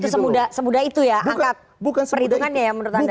itu semudah itu ya angkat perhitungannya ya menurut anda